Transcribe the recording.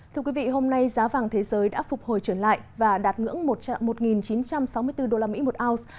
thưa quý vị hôm nay giá vàng thế giới đã phục hồi trở lại và đạt ngưỡng một chín trăm sáu mươi bốn usd một ounce